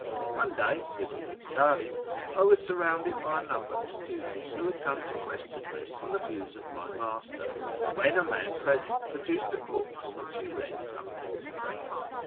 One day — it was at Sari — I was surrounded by a number of students who had come to question me on the views of my master, when a man present produced a book from which he read some extracts.